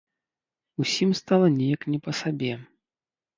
Усім стала неяк не па сабе.